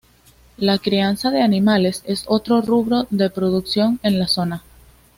La crianza de animales es otro rubro de producción en la zona.